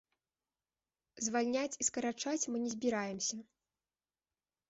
Звальняць і скарачаць мы не збіраемся.